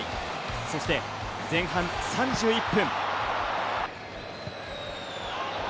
そして前半３１分。